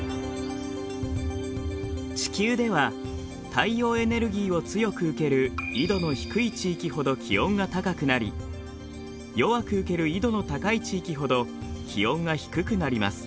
地球では太陽エネルギーを強く受ける緯度の低い地域ほど気温が高くなり弱く受ける緯度の高い地域ほど気温が低くなります。